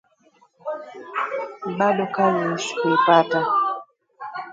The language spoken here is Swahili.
Bado kazi sikuipata